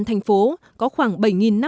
thành phố có khoảng bảy năm trăm linh